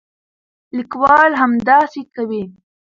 لیکوال همداسې کوي.